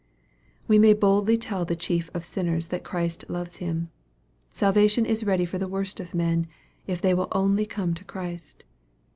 We may boldly tell the chief of sinners that Christ loves him. Salvation is ready for the worst of men, if they will only come to Christ.